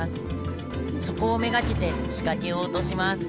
そこを目がけて仕掛けを落とします。